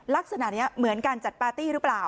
ลักษณะนี้เหมือนการจัดปาร์ตี้หรือเปล่า